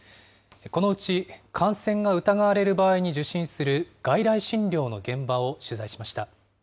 このうち感染が疑われる場合に受診する外来診療の現場を取材しま